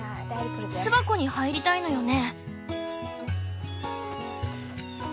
巣箱に入りたいのよね？